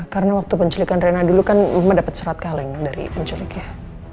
karena waktu penculikan reina dulu kan rumah dapat serat kaleng dari penculiknya